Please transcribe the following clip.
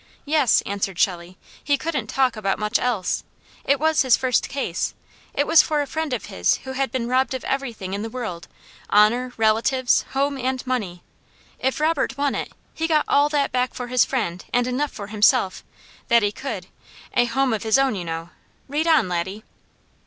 "Yes," answered Shelley. "He couldn't talk about much else. It was his first case. It was for a friend of his who had been robbed of everything in the world; honour, relatives, home, and money. If Robert won it, he got all that back for his friend and enough for himself that he could a home of his own, you know! Read on, Laddie!"